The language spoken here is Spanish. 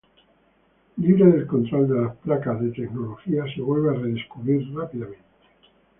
Libre del control de las placas, la tecnología se vuelve a redescubrir rápidamente.